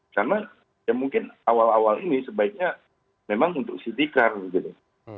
karena ya mungkin awal awal ini sebaiknya memang untuk city car gitu